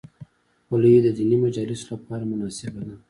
خولۍ د دیني مجالسو لپاره مناسبه ده.